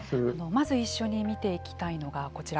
まず、一緒に見ていきたいのがこちら。